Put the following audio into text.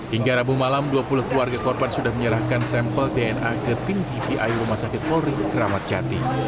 hingga rabu malam dua puluh keluarga korban sudah menyerahkan sampel dna ke tim dvi rumah sakit polri kramat jati